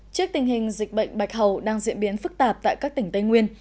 trước tình hình dịch bệnh bạch hầu đang diễn biến phức tạp tại các tỉnh tây nguyên